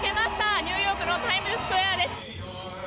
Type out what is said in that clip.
ニューヨークのタイムズスクエアです。